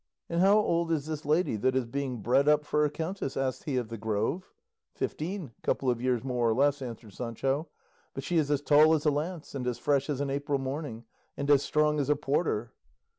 "And how old is this lady that is being bred up for a countess?" asked he of the Grove. "Fifteen, a couple of years more or less," answered Sancho; "but she is as tall as a lance, and as fresh as an April morning, and as strong as a porter."